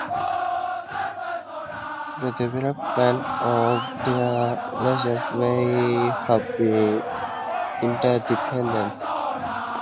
The development of their legends may have been interdependent.